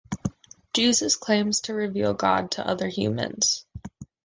Jesus claims to reveal God to other humans